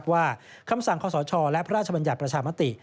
คำสั่งขอสชและพระราชบัญญัติประชามติ